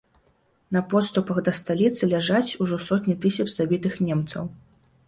На подступах да сталіцы ляжаць ужо сотні тысяч забітых немцаў.